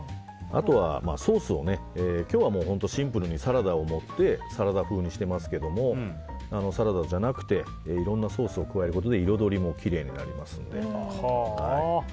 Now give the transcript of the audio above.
あとは、ソースを今日はシンプルにサラダを盛ってサラダ風にしてますけどサラダじゃなくていろんなソースを加えることで彩りもきれいになりますので。